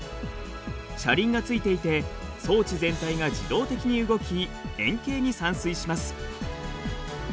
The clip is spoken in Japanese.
車輪が付いていて装置全体が自動的に動き円形に散水します。